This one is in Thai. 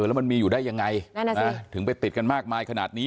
แล้วมันมีอยู่ได้ยังไงนั่นน่ะสิถึงไปติดกันมากมายขนาดนี้